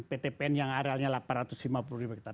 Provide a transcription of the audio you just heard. pt pen yang arealnya delapan ratus lima puluh hektar